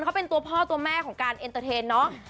เขาเป็นตัวพ่อตัวแม่ของการเอ็นเตอร์เทนเนาะ